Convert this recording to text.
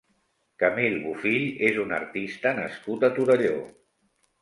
Camil Bofill és un artista nascut a Torelló.